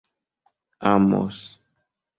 amos